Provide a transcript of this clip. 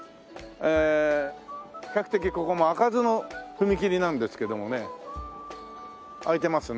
えー比較的ここも開かずの踏切なんですけどもね開いてますね。